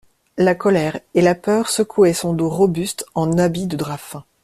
La colère et la peur secouaient son dos robuste en habit de drap fin.